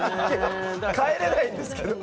帰れないんですけど。